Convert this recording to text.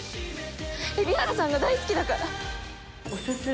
蛯原さんが大好きだから。